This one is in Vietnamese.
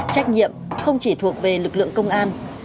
trách nhiệm không chỉ thuộc về lực lượng công an